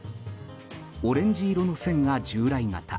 オレンジ色の線が従来型。